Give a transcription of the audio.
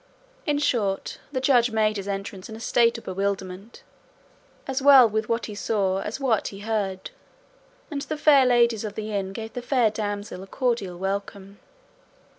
In short, the Judge made his entrance in a state of bewilderment, as well with what he saw as what he heard, and the fair ladies of the inn gave the fair damsel a cordial welcome.